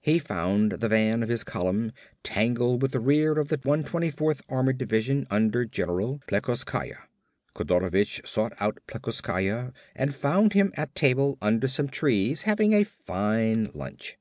He found the van of his column tangled with the rear of the 124th Armored Division under General Plekoskaya. Kodorovich sought out Plekoskaya and found him at table under some trees having a fine lunch.